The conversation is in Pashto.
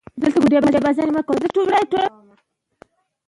لمریز ځواک د افغانستان د ټولنې لپاره یو ډېر اساسي او بنسټيز رول لري.